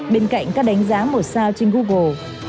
bên cạnh các đánh giá một sao trên google